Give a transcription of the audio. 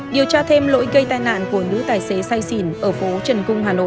điều tra thêm lỗi gây tai nạn của nữ tài xế say xỉn ở phố trần cung hà nội